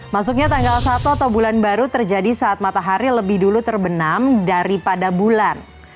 masuknya tanggal satu atau bulan baru terjadi saat matahari lebih dulu terbenam daripada bulan